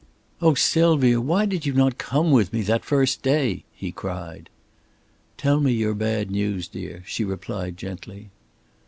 "Oh, Sylvia, why did you not come with me on that first day?" he cried. "Tell me your bad news, dear," she replied, gently.